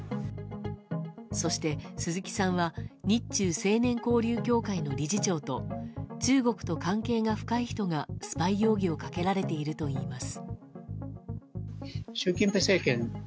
そして、鈴木さんは日中青年交流協会の理事長と中国と関係が深い人がスパイ容疑をかけられているといいます。